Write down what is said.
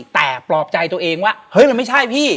แต่ปลอบใจตัวเองว่าเฮ้ยมันไม่ใช่พี่